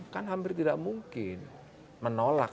kan hampir tidak mungkin menolak